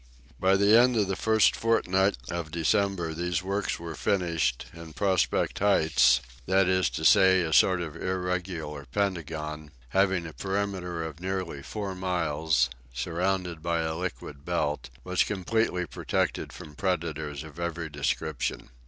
By the end of the first fortnight of December these works were finished, and Prospect Heights that is to say, a sort of irregular pentagon, having a perimeter of nearly four miles, surrounded by a liquid belt was completely protected from depredators of every description.